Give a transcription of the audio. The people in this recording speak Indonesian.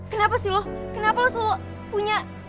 kenapa sih lo kenapa lo selalu punya